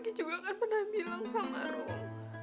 aki juga kan pernah bilang sama rum